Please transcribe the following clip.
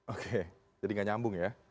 oke jadi gak nyambung ya